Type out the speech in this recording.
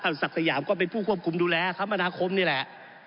ท่านศักดีสัยย่ำก็เป็นผู้ควบคุมดูรัยคลำนาคมนี่แหละ